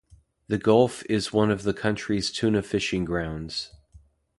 The gulf is one of the country's tuna fishing grounds.